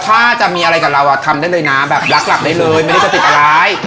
ถ้าจะมีอะไรกับเราทำได้เลยนะแบบรักหลักได้เลยไม่ได้จะติดอะไร